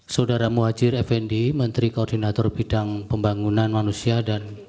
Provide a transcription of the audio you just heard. saudara muhajir effendi menteri koordinator bidang pembangunan manusia dan